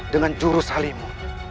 dengan jurus halimu